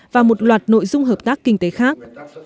và một loạt nội dung hợp tác kinh tế khác